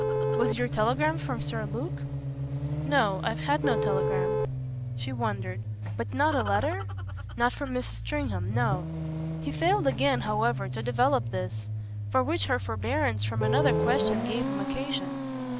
"Was your telegram from Sir Luke?" "No I've had no telegram." She wondered. "But not a letter ?" "Not from Mrs. Stringham no." He failed again however to develop this for which her forbearance from another question gave him occasion.